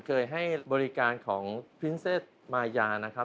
เคยให้บริการของพินเซตมายานะครับ